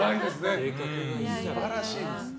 素晴らしいです。